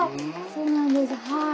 そうなんですはい。